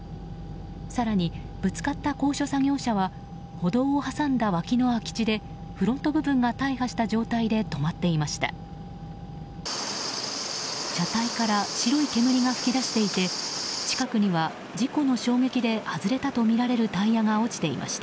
更に、ぶつかった高所作業車は歩道を挟んだ脇の空き地でフロント部分が大破した状態で止まっていました。